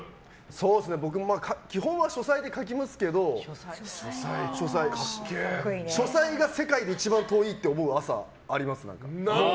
僕も基本は書斎で書きますけど書斎が世界で一番遠いと思う朝ありますね。